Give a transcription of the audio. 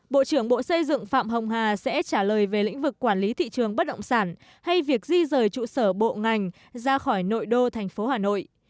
bộ trưởng bộ xây dựng phạm hồng hà sẽ trả lời về lĩnh vực quản lý thị trường bất động sản hay việc di rời trụ sở bộ ngành ra khỏi nội đô thành phố hà nội